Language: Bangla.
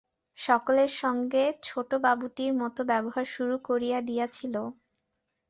সকলের সঙ্গে ছোটবাবুটির মতো ব্যবহার শুরু করিয়া দিয়াছিল?